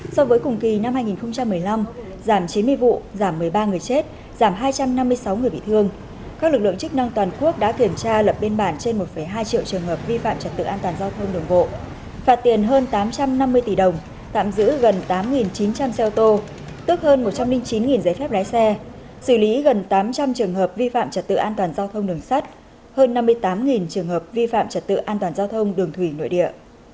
so với cùng kỳ năm hai nghìn một mươi năm giảm chín mươi vụ giảm một mươi ba người chết giảm hai trăm năm mươi sáu người bị thương các lực lượng chức năng toàn quốc đã kiểm tra lập bên bản trên một hai triệu trường hợp vi phạm trật tự an toàn giao thông đường vộ phạt tiền hơn tám trăm năm mươi tỷ đồng tạm giữ gần tám chín trăm linh xe ô tô tước hơn một trăm linh chín giấy phép lái xe xử lý gần tám trăm linh trường hợp vi phạm trật tự an toàn giao thông đường sắt hơn năm mươi tám trường hợp vi phạm trật tự an toàn giao thông đường thủy nội địa